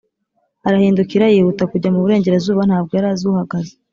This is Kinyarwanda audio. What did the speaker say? arahindukira; yihutira kujya mu burengerazuba; ntabwo yari azi uhagaze